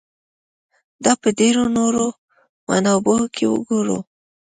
دا په ډېرو نورو منابعو کې وګورو.